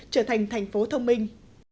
trở thành thành phố thông minh